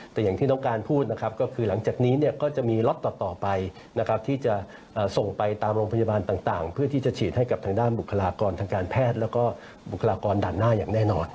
แต่อย่างที่น้องการพูดนะครับก็คือหลังจากนี้เนี่ยก็จะมีล็อตต่อไปนะครับที่จะส่งไปตามโรงพยาบาลต่างเพื่อที่จะฉีดให้กับทางด้านบุคลากรทางการแพทย์แล้วก็บุคลากรด่านหน้าอย่างแน่นอน